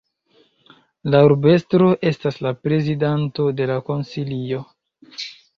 La urbestro estas la prezidanto de la konsilio.